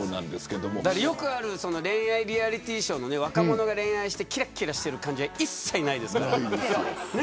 よくある恋愛リアリティーショーの若者が恋愛してきらきらしてる感じは一切ないですからね。